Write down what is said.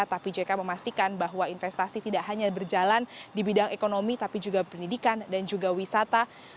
tapi jk memastikan bahwa investasi tidak hanya berjalan di bidang ekonomi tapi juga pendidikan dan juga wisata